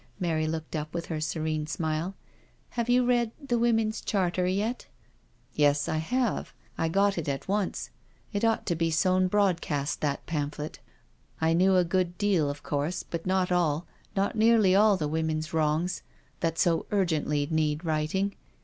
Mary looked up with her serene smile. " Have you read the ' Women's Charter ' yet?" " Yes, I have — I got it at once— it ought to be sown broadcast that pamphlet. I knew a good deal, of course, but not all, not nearly all the woman's wrongs that so urgently need righting."